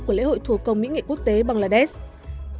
của lễ hội thủ công mỹ nghệ quốc tế bangladesh